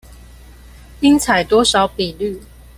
應採多少比率